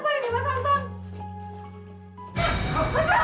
makan ikhlas mengunggah